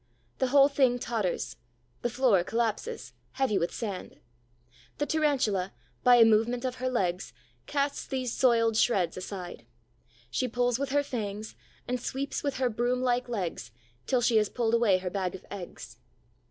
The whole thing totters, the floor collapses, heavy with sand. The Tarantula, by a movement of her legs, casts these soiled shreds aside. She pulls with her fangs and sweeps with her broom like legs, till she has pulled away her bag of eggs.